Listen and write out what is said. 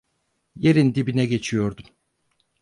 Yerin dibine geçiyordum.